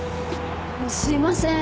すいません。